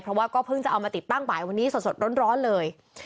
เพราะว่าก็เพิ่งจะเอามาติดตั้งบ่ายวันนี้สดร้อนเลย